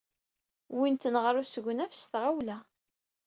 Wwin-ten ɣer usegnaf s tɣawla.